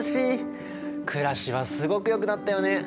暮らしはすごくよくなったよね。